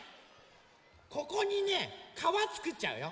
ここにねかわつくっちゃうよ。